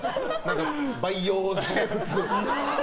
培養生物。